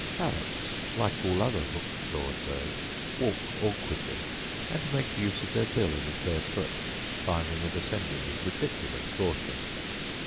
Parrots, like all other hook clawed birds, walk awkwardly, and make use of their bill as a third foot, climbing and ascending with ridiculous caution.